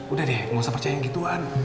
udah deh gak usah percaya yang gituan